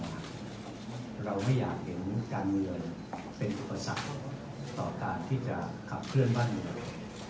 เราไม่อยากเห็นการเมืองเป็นอุปสรรคต่อการที่จะขับเคลื่อนบ้านเมือง